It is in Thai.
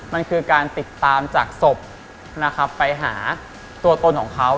มันคือการติดตามจากศพนะครับไปหาตัวตนของเขา